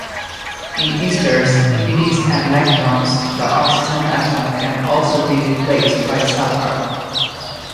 In esters, imides and lactones the oxygen atom can also be replaced by sulfur.